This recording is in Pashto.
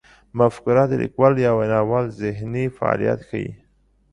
مفکوره د لیکوال یا ویناوال ذهني فعالیت ښيي.